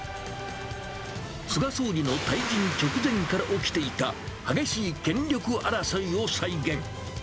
菅総理の退陣直前から起きていた、激しい権力争いを再現。